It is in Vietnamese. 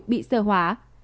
bị sơ hóa